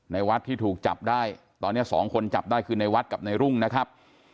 ในวัดที่ถูกจับได้ตอนนี้สองคนจับได้คือในวัดกับในรุ่งนะครับ